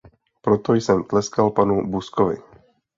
Proto jsem tleskal panu Buskovi.